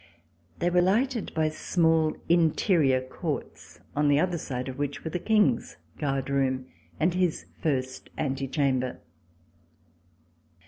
They were lighted by small interior courts, on the other side of which were the King's Guard Room and his first ante chamber.